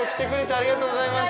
ありがとうございます！